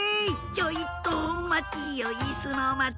「ちょいとおまちよいすのまち」